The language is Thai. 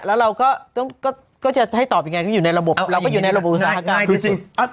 แล้วเราก็จะให้ตอบอย่างไรก็อยู่ในระบบอุตสาหกรรม